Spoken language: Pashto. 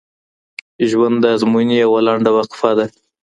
ژوند د ازموینې یوه لنډه وقفه ده.